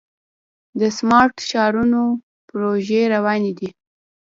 د سمارټ ښارونو پروژې روانې دي.